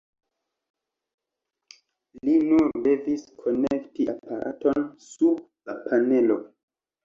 Li nur devis konekti aparaton sub la panelo.